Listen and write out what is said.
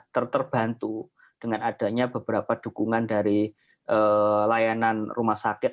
terterbantu dengan adanya beberapa dukungan dari layanan rumah sakit